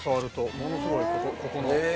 ものすごいここの。へえ！